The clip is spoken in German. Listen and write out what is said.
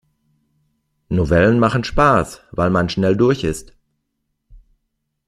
Novellen machen Spaß, weil man schnell durch ist.